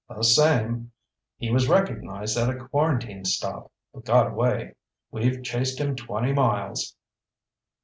"The same. He was recognized at a quarantine stop, but got away. We've chased him twenty miles."